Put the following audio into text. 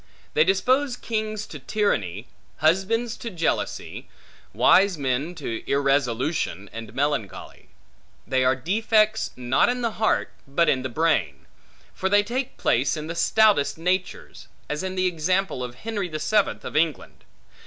They dispose kings to tyranny, husbands to jealousy, wise men to irresolution and melancholy. They are defects, not in the heart, but in the brain; for they take place in the stoutest natures; as in the example of Henry the Seventh of England.